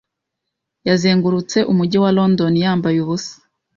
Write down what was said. yazengurutse umujyi wa London yambaye ubusa